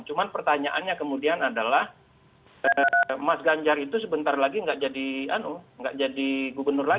cuman pertanyaannya kemudian adalah mas ganjar itu sebentar lagi nggak jadi gubernur lagi